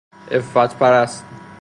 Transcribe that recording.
عفت پرست